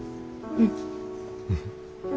うん。